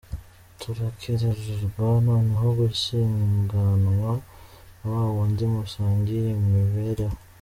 Nturakerererwa noneho gushyinganwa na wa wundi musangiye imibereho.